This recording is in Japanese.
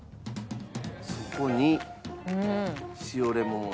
そこに塩レモンあん。